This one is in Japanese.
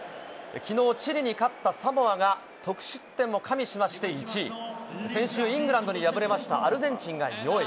きのうチリに勝ったサモアが、得失点も加味して１位、先週イングランドに敗れましたアルゼンチンが４位。